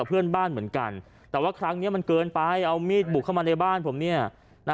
เพื่อนบ้านเหมือนกันแต่ว่าครั้งนี้มันเกินไปเอามีดบุกเข้ามาในบ้านผมเนี่ยนะ